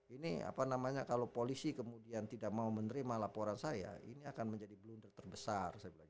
ini apa namanya kalau polisi kemudian tidak mau menerima laporan saya ini akan menjadi hal yang tidak bisa diperlukan untuk memperbaiki hal ini